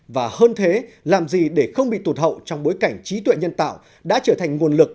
và hơn thế làm gì để không bị tụt hậu trong bối cảnh trí tuệ nhân tạo đã trở thành nguồn lực